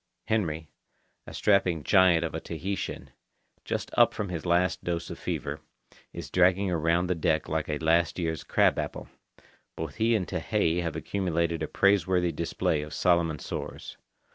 Henry, a strapping giant of a Tahitian, just up from his last dose of fever, is dragging around the deck like a last year's crab apple. Both he and Tehei have accumulated a praiseworthy display of Solomon sores.